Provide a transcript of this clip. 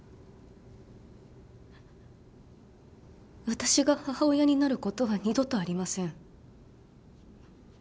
私が母親になることは二度とありません。